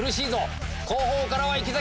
後方からは池崎。